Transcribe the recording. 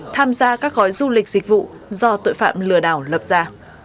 tham gia các gói du lịch dịch vụ do tội phạm lừa đảo lập ra